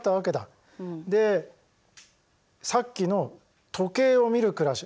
でさっきの時計を見る暮らし